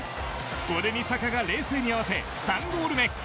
これにサカが冷静に合わせ３ゴール目。